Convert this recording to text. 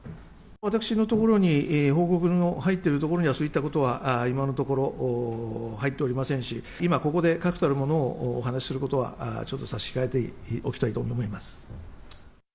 私のところに報告の入ってるところには、そういったことは今のところ入っておりませんし、今ここで確たるものをお話しすることは、ちょっと差し控えておきたいと思います。